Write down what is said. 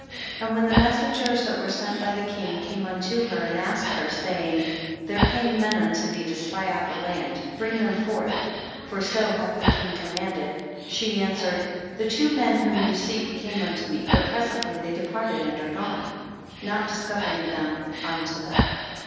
7 And when the messengers that were sent by the king came unto her, and asked her, saying, There came men unto thee to spy out the land, bring them forth, for so hath the king commanded: She answered, The two men whom ye seek came unto me, but presently they departed, and are gone: Not discovering them unto them.